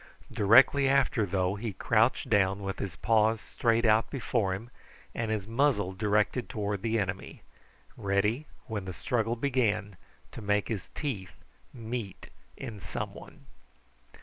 Directly after, though, he crouched down with his paws straight out before him and his muzzle directed towards the enemy, ready when the struggle began to make his teeth meet in some one.